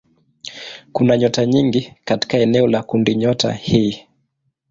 Kuna nyota nyingi katika eneo la kundinyota hii.